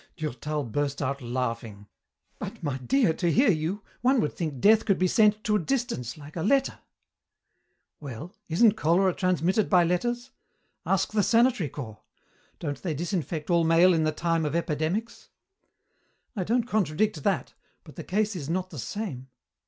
Durtal burst out laughing. "But, my dear, to hear you, one would think death could be sent to a distance like a letter." "Well, isn't cholera transmitted by letters? Ask the sanitary corps. Don't they disinfect all mail in the time of epidemics?" "I don't contradict that, but the case is not the same."